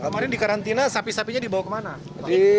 kemarin dikarantina sapi sapinya dibawa kemana